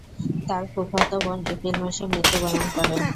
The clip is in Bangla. তার ফুফাতো বোন এপ্রিল মাসে মৃত্যুবরণ করে।